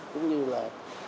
cũng như là